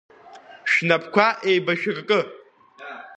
Шәнапқәа еибашәыркы…